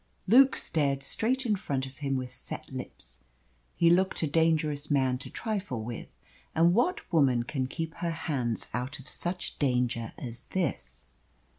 Luke stared straight in front of him with set lips. He looked a dangerous man to trifle with, and what woman can keep her hands out of such danger as this?